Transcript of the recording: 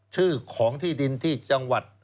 ชื่อของที่ดินที่จังหวัด